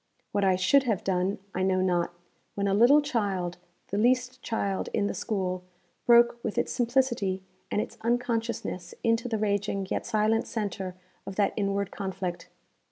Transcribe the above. What I should have done I know not, when a little child the least child in the school broke with its simplicity and its unconsciousness into the raging yet silent centre of that inward conflict.